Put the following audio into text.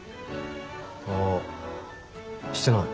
あっしてない。